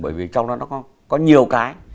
bởi vì trong đó nó có nhiều cái